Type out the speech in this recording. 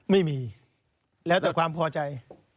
ไม่มีแล้วแต่ความพอใจ